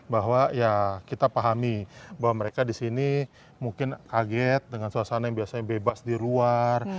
bahwa ya kita pahami bahwa mereka di sini mungkin kaget dengan suasana yang biasanya bebas di luar